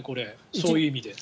そういう意味でこれは。